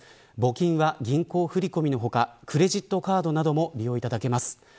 募金は、銀行振り込みの他クレジットカードなども利用いただけます。